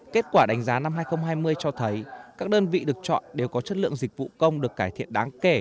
kết quả đánh giá năm hai nghìn hai mươi cho thấy các đơn vị được chọn đều có chất lượng dịch vụ công được cải thiện đáng kể